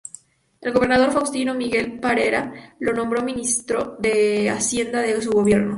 El gobernador Faustino Miguel Parera lo nombró Ministro de Hacienda de su gobierno.